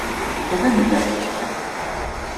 Ffren-ak-t.